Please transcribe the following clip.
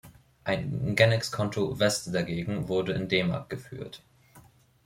Ein Genex-Konto „West“ dagegen wurde in D-Mark geführt.